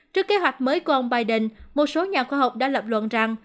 trước kế hoạch mới của ông biden một số nhà khoa học đã lập luận rằng